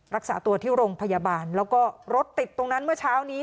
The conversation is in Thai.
รักษาตัวที่โรงพยาบาลแล้วก็รถติดตรงนั้นเมื่อเช้านี้